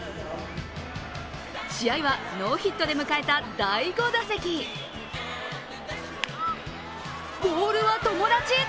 試合はノーヒットで迎えた第５打席ボールは友達！